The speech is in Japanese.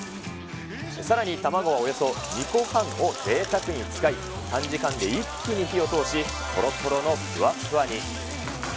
さらに卵はおよそ２個半をぜいたくに使い、短時間で一気に火を通し、とろとろのふわふわに。